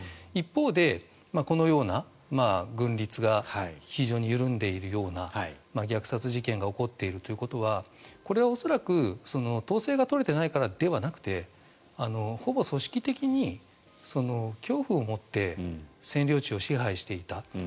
一方で、このような軍律が非常に緩んでいるような虐殺事件が起こっているということはこれは恐らく統制が取れていないからではなくてほぼ組織的に恐怖をもって占領地を支配していた。